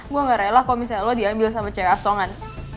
gue gak rela kalau misalnya lo diambil sama cewek asongan